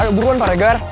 ayo buruan pak regar